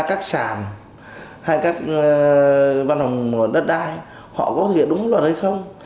các sản hay các văn hồng đất đai họ có thực hiện đúng pháp luật hay không